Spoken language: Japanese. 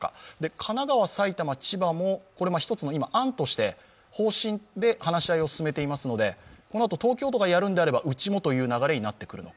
神奈川、埼玉、千葉も１つの案として方針で話し合いを進めていますので、このあと東京都もやるのであればうちもという流れになってくるのか。